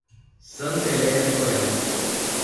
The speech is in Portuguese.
Santa Helena de Goiás